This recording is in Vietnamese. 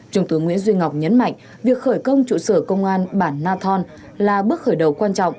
trung tướng nguyễn duy ngọc nhấn mạnh việc khởi công trụ sở công an bản na thon là bước khởi đầu quan trọng